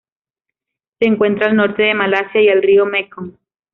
Se encuentra al norte de Malasia y el río Mekong.